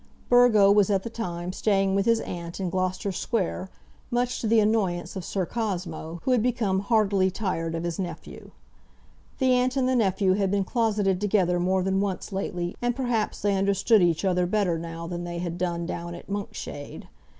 Burgo was at the time staying with his aunt, in Gloucester Square, much to the annoyance of Sir Cosmo, who had become heartily tired of his nephew. The aunt and the nephew had been closeted together more than once lately, and perhaps they understood each other better now than they had done down at Monkshade.